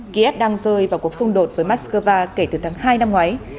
kiev đang rơi vào cuộc xung đột với moscow kể từ tháng hai năm ngoái